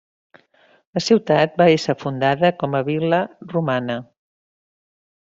La ciutat va ésser fundada com a vil·la romana.